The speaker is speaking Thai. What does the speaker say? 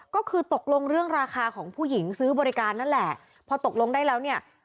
ก็คือตกลงเรื่องราคาของผู้หญิงซื้อบริการนั่นแหละพอตกลงได้แล้วเนี่ย